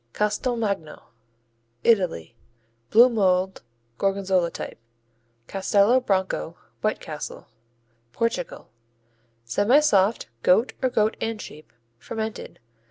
Castelmagno Italy Blue mold, Gorgonzola type. Castelo Branco, White Castle Portugal Semisoft; goat or goat and sheep; fermented.